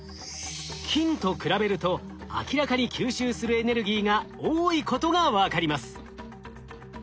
金と比べると明らかに吸収するエネルギーが多いことが分かります。